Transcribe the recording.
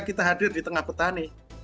kita hadir di tengah petani